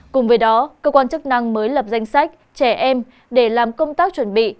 cùng với đó cơ quan chức năng mới lập danh sách trẻ em để làm công tác chuẩn bị